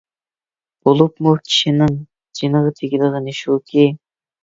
بولۇپمۇ كىشىنىڭ جېنىغا تېگىدىغىنى شۇكى،